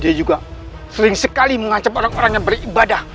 dia juga sering sekali mengancam orang orang yang beribadah